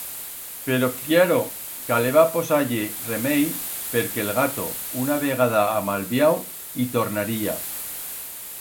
Pero, cllaro, caleba posar-ie remei, perque el gato, una vegada amalviau, i tornaría.